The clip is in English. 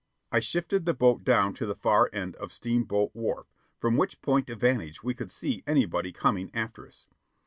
I shifted the boat down to the far end of Steamboat Wharf, from which point of vantage we could see anybody coming after us.